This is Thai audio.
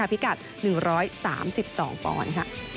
พิกัด๑๓๒ปอนด์